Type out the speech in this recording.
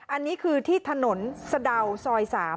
อันนี้คือที่ถนนสะดาวซอย๓